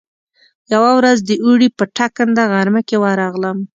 يوه ورځ د اوړي په ټکنده غرمه کې ورغلم.